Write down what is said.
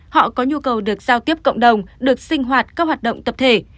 họ có nhu cầu được giao tiếp cộng đồng được sinh hoạt các hoạt động tập thể